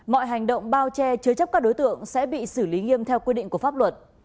mọi hành động bao che chứa chấp các đối tượng sẽ bị xử lý nghiêm theo quy định của pháp luật